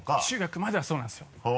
中学まではそうなんですよ